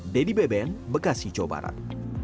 dedy beben bekasi jawa barat